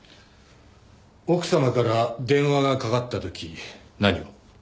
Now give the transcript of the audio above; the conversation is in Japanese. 奥様から電話がかかった時何を？